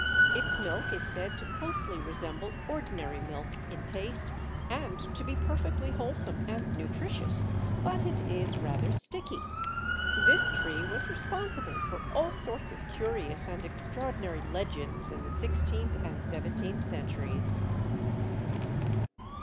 Its milk is said to closely resemble ordinary milk in taste, and to be perfectly wholesome and nutritious, but it is rather sticky. This tree was responsible for all sorts of curious and extraordinary legends in the sixteenth and seventeenth centuries.